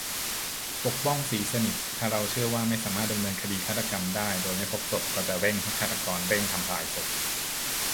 ปกป้อง ศรีสนิท : ถ้าเราเชื่อว่าไม่สามารถดำเนินคดีฆาตกรรมได้โดยไม่พบศพ ก็จะเร่งให้ฆาตกรเร่งทำลายศพ